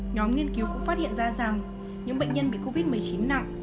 nhóm nghiên cứu cũng phát hiện ra rằng những bệnh nhân bị covid một mươi chín nặng